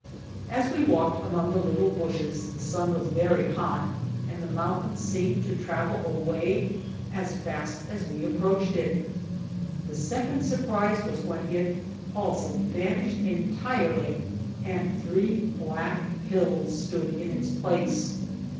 As we walked among the little bushes the sun was very hot and the mountain seemed to travel away as fast as we approached it. The second surprise was when it also van ished entirely and three black hills stood in its place.